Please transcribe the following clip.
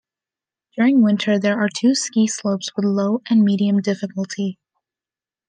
During winter there are two ski slopes with low and medium difficulty.